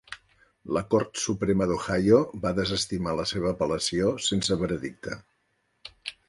La Cort Suprema d'Ohio va desestimar la seva apel·lació sense veredicte.